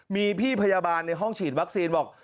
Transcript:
มีพี่พยาบาลในห้องฉีดวัคซีนบอก